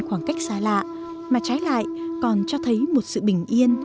khoảng cách xa lạ mà trái lại còn cho thấy một sự bình yên